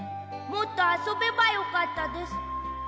もっとあそべばよかったです。